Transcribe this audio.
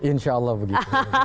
insya allah begitu